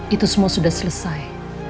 itu semua sudah selesai